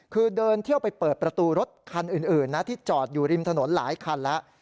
คือเดินเที่ยวไปเปิดประตูรถคันอื่นนะที่จอดอยู่ริมถนนหลายคันแล้ว